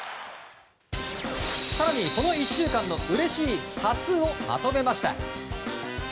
更に、この１週間のうれしい初をまとめました！